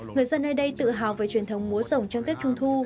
người dân nơi đây tự hào về truyền thống múa sổng trong tết trung thu